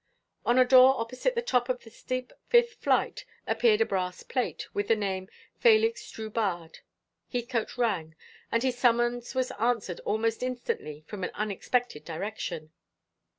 On a door opposite the top of the steep fifth flight appeared a brass plate, with the name, Félix Drubarde. Heathcote rang, and his summons was answered almost instantly from an unexpected direction.